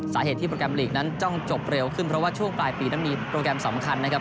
สาเหตุที่โปรแกรมลีกนั้นต้องจบเร็วขึ้นเพราะว่าช่วงปลายปีนั้นมีโปรแกรมสำคัญนะครับ